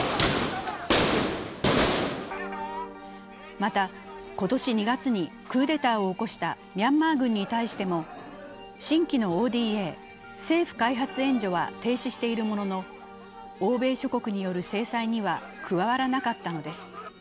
また、今年２月にクーデターを起こしたミャンマー軍に対しても新規のＯＤＡ＝政府開発援助は停止しているものの欧米諸国による制裁には加わらなかったのです。